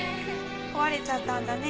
壊れちゃったんだね。